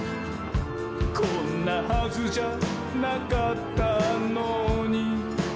「こんなはずじゃなかったのに」